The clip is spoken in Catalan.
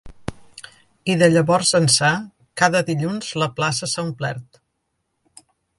I de llavors ençà, cada dilluns la plaça s’ha omplert.